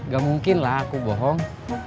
gak mungkin lah aku bohong